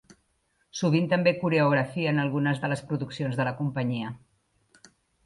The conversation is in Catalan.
Sovint també coreografien algunes de les produccions de la companyia.